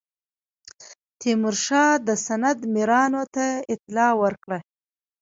تیمورشاه د سند میرانو ته اطلاع ورکړه.